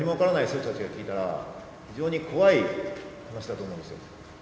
生徒たちが聞いたら、非常に怖い話だと思うんですよ。